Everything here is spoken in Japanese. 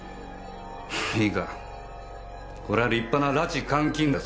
いいかこれは立派な拉致監禁だ。